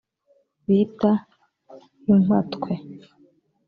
bita impatwe